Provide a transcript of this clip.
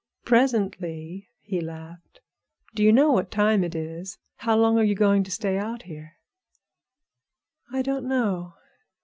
"Presently?" he laughed. "Do you know what time it is? How long are you going to stay out here?" "I don't know.